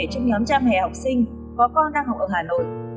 trong nhóm trang hề học sinh có con đang học ở hà nội